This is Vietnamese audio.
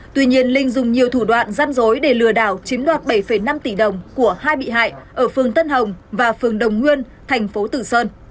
tuy nhiên linh dùng nhiều thủ đoạn gian dối để lừa đảo chiếm đoạt bảy năm tỷ đồng của hai bị hại ở phường tân hồng và phường đồng nguyên thành phố tử sơn